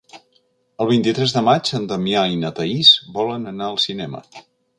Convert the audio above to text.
El vint-i-tres de maig en Damià i na Thaís volen anar al cinema.